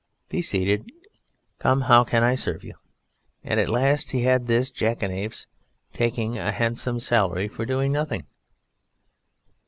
Eh? Be seated. Come, how can I serve you?": and at last he had this Jackanapes taking a handsome salary for doing nothing.